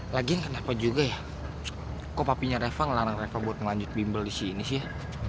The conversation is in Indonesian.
lagian kenapa juga ya kok papinya reva ngelarang reva buat ngelanjut bimbel di sini sih ya